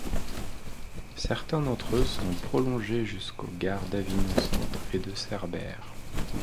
Certains d'entre eux sont prolongés jusqu'aux gares d'Avignon-Centre et de Cerbère.